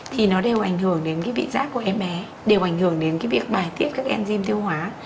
thì nó đều ảnh hưởng đến cái vị giác của em bé đều ảnh hưởng đến cái việc bài tiết các em gm tiêu hóa